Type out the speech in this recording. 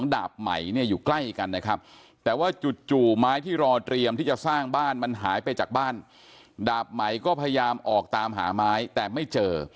ดาบไหมก็พยายามออกตามหาไม้แต่ไม่เจอ